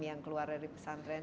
yang keluar dari pesantren